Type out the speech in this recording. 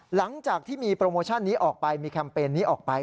หลังจากที่มีโปรโมชั่นนี้ออกไปมีแคมเปญนี้ออกไป